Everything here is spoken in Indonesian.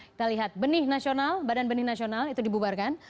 kita lihat badan benih nasional itu dibubarkan